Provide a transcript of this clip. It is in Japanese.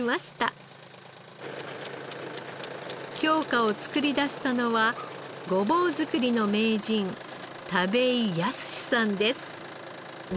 京香を作り出したのはごぼう作りの名人田部井靖さんです。